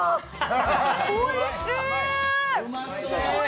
おいしい！